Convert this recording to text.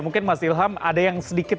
mungkin mas ilham ada yang sedikit